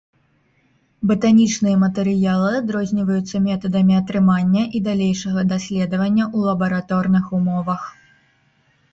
Батанічныя матэрыялы адрозніваюцца метадамі атрымання і далейшага даследавання ў лабараторных умовах.